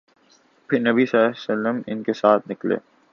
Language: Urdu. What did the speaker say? پھر نبی صلی اللہ علیہ وسلم ان کے ساتھ نکلے